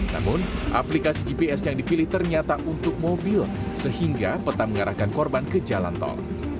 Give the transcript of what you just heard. namun aplikasi gps yang dipilih ternyata untuk mobil sehingga peta mengarahkan korban ke jalan tol